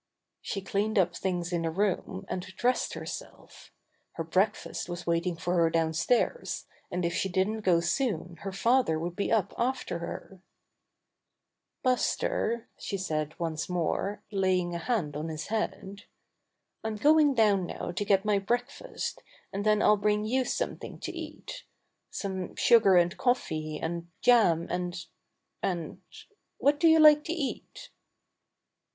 She cleaned up things in the room, and dressed herself. Her breakfast was waiting for her downstairs, and if she didn't go soon her father would be up after her. 115 Buster Tries to Escape ^^Buster," she said once more, laying a hand on his head, "I'm going down now to get my breakfast, and then I'll bring you something to eat — some sugar and coffee, and jam and — and — what do you like to eat?"